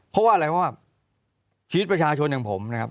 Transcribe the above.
เพราะว่าอะไรเพราะว่าชีวิตประชาชนอย่างผมนะครับ